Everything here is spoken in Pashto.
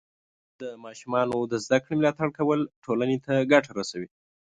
د ماشومانو د زده کړې ملاتړ کول ټولنې ته ګټه رسوي.